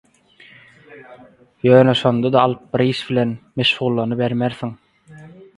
Ýöne şonda-da alyp bir iş bilen meşgullanybermersiň